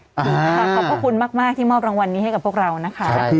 ขอบพระคุณมากที่มอบรางวัลนี้ให้กับพวกเรานะคะ